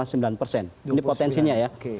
ini potensinya ya